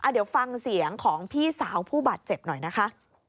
เดี๋ยวฟังเสียงของพี่สาวผู้บาดเจ็บหน่อยนะคะ